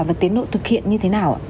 và tiến độ thực hiện như thế nào